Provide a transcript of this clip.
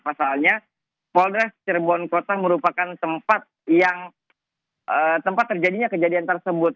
pasalnya polres cirebon kota merupakan tempat yang tempat terjadinya kejadian tersebut